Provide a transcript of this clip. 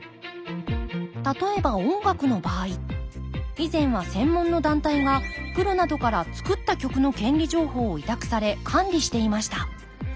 例えば音楽の場合以前は専門の団体がプロなどから作った曲の権利情報を委託され管理していました。